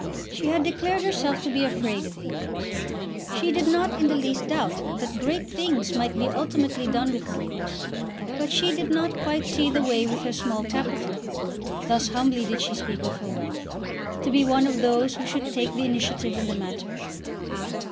She had declared herself to be afraid of Bios. She did not in the least doubt that great things might be ultimately done with Bios, but she did not quite see the way with her small capital, thus humbly did she speak of her wealth, to be one of those who should take the initiative in the matter.